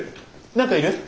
何かいる？